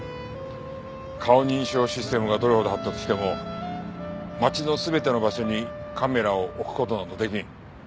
顔認証システムがどれほど発達しても街の全ての場所にカメラを置く事など出来ん。